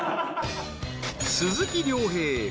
［鈴木亮平。